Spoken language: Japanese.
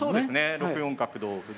６四角同歩で。